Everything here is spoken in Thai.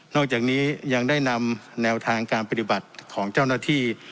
อกจากนี้ยังได้นำแนวทางการปฏิบัติของเจ้าหน้าที่